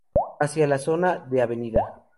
Hacia la zona de av.